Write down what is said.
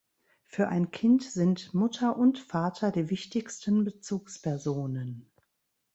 Für ein Kind sind Mutter und Vater die wichtigsten Bezugspersonen.